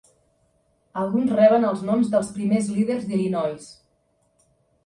Alguns reben els noms dels primers líders d'Illinois.